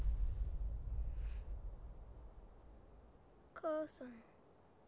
母さん。